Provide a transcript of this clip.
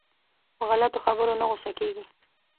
په غلطو خبرو نه غوسه کېږي.